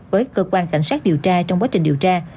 với cơ quan cảnh sát điều tra trong quá trình điều tra